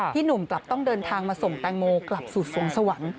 พี่หนุ่มต้องเดินทางมาส่งแตงโมกลับสู่สวรรค์สวรรค์